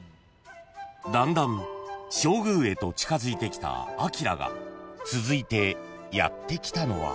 ［だんだん正宮へと近づいてきたアキラが続いてやって来たのは］